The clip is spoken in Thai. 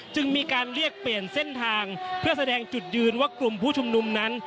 จึงมีการเรียกเปลี่ยนเส้นทางเพื่อแสดงจุดยืนว่ากลุ่มผู้ชุมนุมนั้น